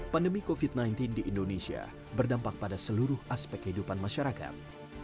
pandemi covid sembilan belas di indonesia berdampak pada seluruh aspek kehidupan masyarakat